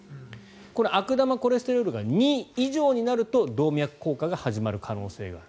これ、悪玉コレステロールが２以上になると動脈硬化が始まる可能性がある。